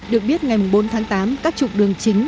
được biết ngày bốn tháng tám các trục đường chính